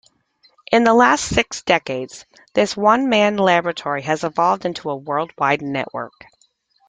In the last six decades, this one-man laboratory has evolved into a worldwide network.